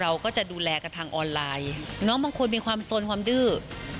เราก็จะดูแลกันทางออนไลน์น้องบางคนมีความสนความดื้อ